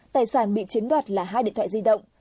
tài sản bị chiếm đoạt là hai điện thoại di động